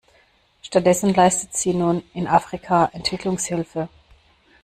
Stattdessen leistet sie nun in Afrika Entwicklungshilfe.